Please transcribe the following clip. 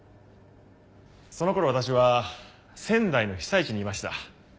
その頃私は仙台の被災地にいました。